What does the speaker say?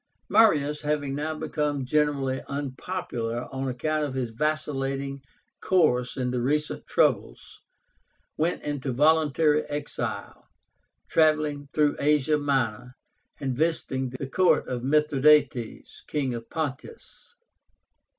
Marius having now become generally unpopular on account of his vacillating course in the recent troubles, went into voluntary exile, travelling through Asia Minor, and visiting the court of Mithradátes, King of Pontus.